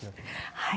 はい。